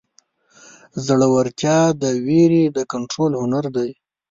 زړهورتیا د وېرې د کنټرول هنر دی.